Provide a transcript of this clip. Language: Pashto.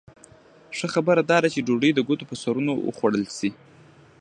ښه خبره دا ده چې ډوډۍ د ګوتو په سرونو وخوړل شي.